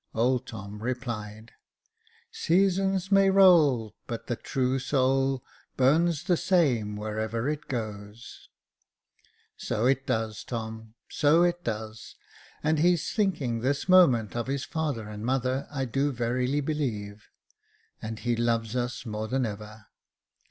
Old Tom replied —" Seasons may roll, But the true soul Burns the same wherever it goes." Jacob Faithful 375 So it does, Tom — so it does ; and he's thinking this moment of his father and mother, I do verily believe, and he loves us more than ever."